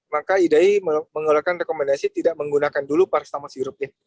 maka idai mengeluarkan rekomendasi tidak menggunakan dulu paracetamol sirup